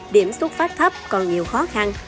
điểm xuất phát thấp còn nhiều khó khăn